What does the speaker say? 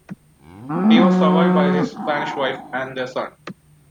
He was survived by his Spanish wife and their son.